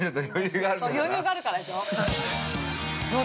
余裕があるからでしょう？